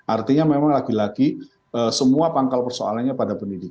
artinya memang lagi lagi semua pangkal persoalannya pada pendidikan